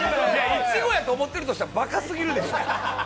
いちごやと思ってるとしたらばかすぎるでしょう。